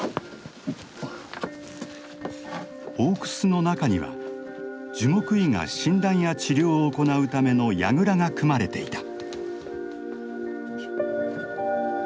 大クスの中には樹木医が診断や治療を行うためのやぐらが組まれていた。